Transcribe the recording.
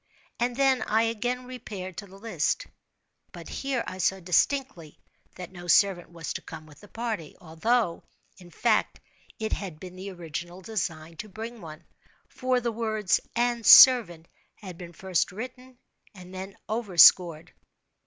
And then I again repaired to the list—but here I saw distinctly that no servant was to come with the party, although, in fact, it had been the original design to bring one—for the words "and servant" had been first written and then overscored.